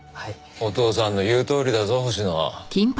お義父さんの言うとおりだぞ星野。